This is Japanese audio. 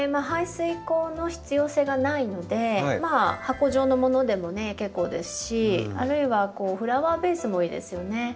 排水口の必要性がないのでまあ箱状のものでも結構ですしあるいはフラワーベースもいいですよね。